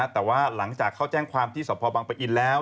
แต่ว่าหลังจากเข้าแจ้งความที่สพบังปะอินแล้ว